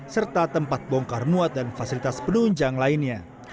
serta tempat bongkar muat dan fasilitas penunjang lainnya